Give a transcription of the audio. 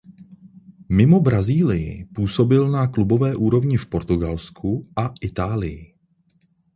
Mimo Brazílii působil na klubové úrovni v Portugalsku a Itálii.